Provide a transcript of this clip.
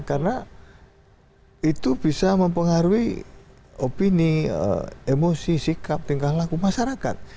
karena itu bisa mempengaruhi opini emosi sikap tingkah laku masyarakat